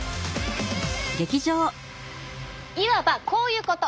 いわばこういうこと！